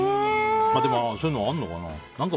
でも、そういうのあるのかな？